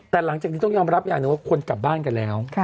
แต่หลังจากนี้ต้องยอมรับอย่างหนึ่งว่าคนกลับบ้านกันแล้ว